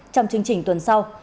trong chương trình tuần sau